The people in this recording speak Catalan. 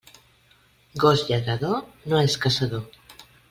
Gos lladrador, no és caçador.